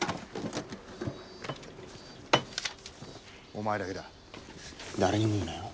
お前だけだ誰にも言うなよ。